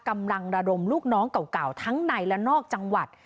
กำลังระดมลูกน้องเก่าทั้งในและนอกจังหวัด